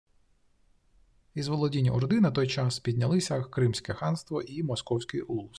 Із володінь Орди на той час піднялися Кримське ханство і Московський улус